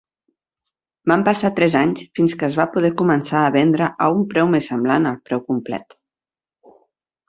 Van passar tres anys fins que es va poder començar a vendre a un preu més semblant al preu complet.